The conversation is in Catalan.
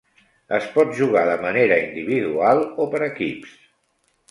Es pot jugar de manera individual o per equips.